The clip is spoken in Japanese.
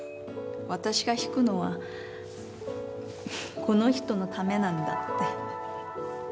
私が弾くのはこの人のためなんだって。